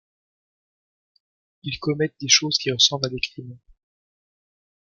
Ils commettent des choses qui ressemblent à des crimes.